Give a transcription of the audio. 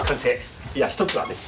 いや１つはね。